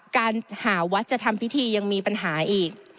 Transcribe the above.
การหาวัดจะทำพิธียังมีปัญหาอีก